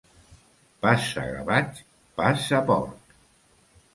Passa, gavatx; passa, porc.